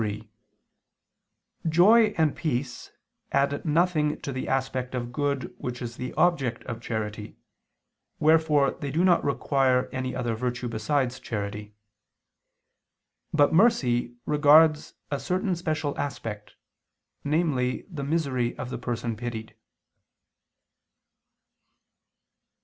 3: Joy and peace add nothing to the aspect of good which is the object of charity, wherefore they do not require any other virtue besides charity. But mercy regards a certain special aspect, namely the misery of the person pitied.